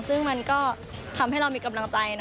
ซึ่งมันก็ทำให้เรามีกำลังใจ